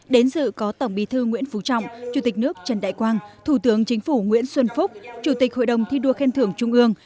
đến dự có tổng bí thư nguyễn phú trọng chủ tịch nước trần đại quang thủ tướng chính phủ nguyễn xuân phúc chủ tịch hội đồng thi đua khen thưởng trung ương